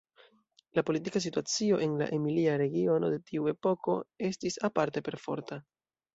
La politika situacio en la Emilia regiono de tiu epoko estis aparte perforta.